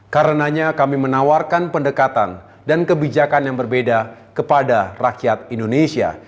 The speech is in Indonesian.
karenanya kami menawarkan pendekatan dan kebijakan yang berbeda kepada rakyat indonesia